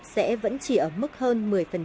sẽ vẫn chỉ ở mức hơn một mươi